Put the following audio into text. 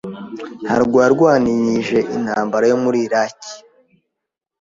ntabwo yarwanyije intambara yo muri Iraki.